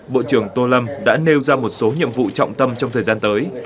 bộ trưởng tô lâm đã nêu ra một số nhiệm vụ trọng tâm trong thời gian tới